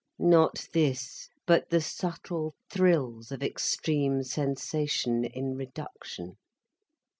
Not this, but the subtle thrills of extreme sensation in reduction.